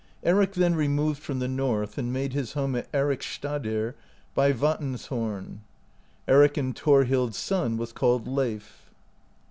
Eric then removed from the north, and made his home at Ericsstadir by Vatnshom. Eric and Thorhild's son was called Leif.